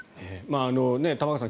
玉川さん